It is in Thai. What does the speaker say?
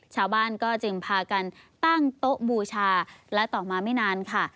ชาวบ้านก็จึงพากันตั้งโต๊ะบูชาและต่อมาไม่นานค่ะ